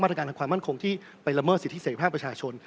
มาตรการความมั่นคงที่ไปละเมิดสิทธิศิษภาพประชาชน